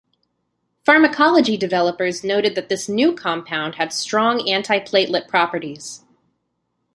Pharmacology developers noted that this new compound had strong anti-platelet properties.